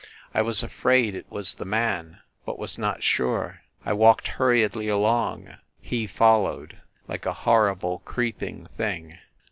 ... I was afraid it was the man, but was not sure. ... I walked hurriedly along ... he followed ... like a horrible creeping thing.